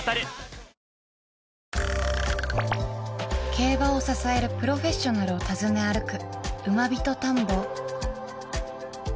競馬を支えるプロフェッショナルを訪ね歩く